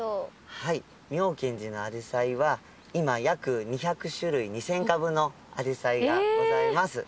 はい妙顕寺のアジサイは今約２００種類２，０００株のアジサイがございます。